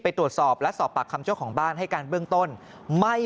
ไปตรวจสอบและสอบปากคำเจ้าของบ้านให้การเบื้องต้นไม่